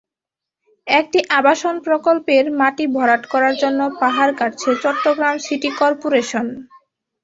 একটি আবাসন প্রকল্পের মাটি ভরাট করার জন্য পাহাড় কাটছে চট্টগ্রাম সিটি করপোরেশন।